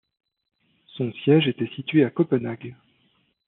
Son siège était situé à Copenhague.